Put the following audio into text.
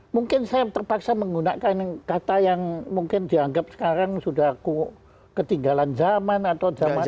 mungkin saya terpaksa menggunakan kata yang mungkin dianggap sekarang sudah ketinggalan zaman atau zaman sekarang